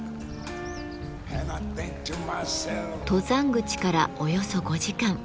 登山口からおよそ５時間。